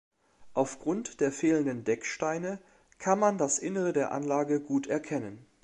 Aufgrund der fehlenden Decksteine kann man das Innere der Anlage gut erkennen.